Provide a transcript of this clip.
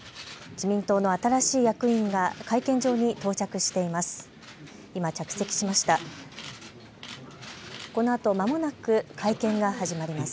自民党の新しい役員が会見場に到着しています。